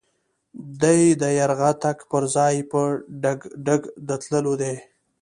دی د يرغه تګ پر ځای په ډګډګ د تللو دی.